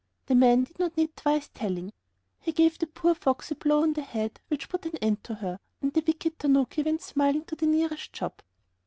The man did not need twice telling. He gave the poor fox a blow on the head, which put an end to her, and the wicked tanuki went smiling to the nearest shop.